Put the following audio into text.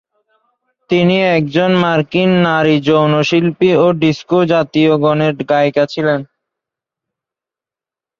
তিনি একজন মার্কিন নারী যৌন শিল্পী ও ডিস্কো জাতীয় গণের গায়িকা ছিলেন।